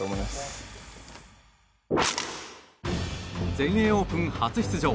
全英オープン初出場。